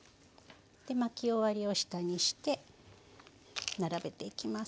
巻き終わりを下にして並べていきます。